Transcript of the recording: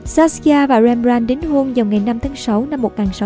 saskia và rembrandt đến hôn vào ngày năm tháng sáu năm một nghìn sáu trăm ba mươi ba